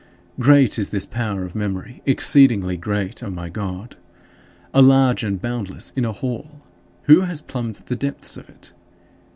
15. Great is this power of memory, exceedingly great, O my God a large and boundless inner hall! Who has plumbed the depths of it?